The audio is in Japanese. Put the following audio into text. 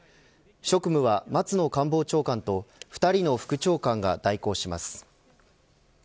職務は松野官房長官と２人の副長官が代行します。